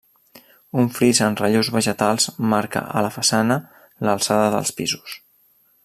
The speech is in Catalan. Un fris en relleus vegetals marca, a la façana, l'alçada dels pisos.